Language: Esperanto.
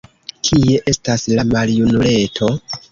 Kie estas la maljunuleto?